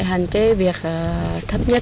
hàn chế việc thấp nhất